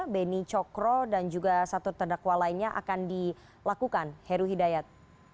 beni cokro dan juga satu terdakwa lainnya akan dilakukan heru hidayat